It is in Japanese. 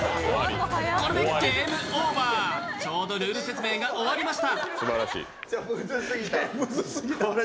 これでゲームオーバー、ちょうどルール説明が終わりました。